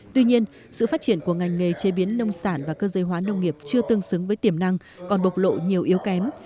tuy nhiên sự phát triển của ngành nghề chế biến nông sản và cơ giới hóa nông nghiệp chưa tương xứng với tiềm năng còn bộc lộ nhiều yếu kém